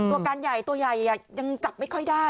ตัวการใหญ่ตัวใหญ่ยังจับไม่ค่อยได้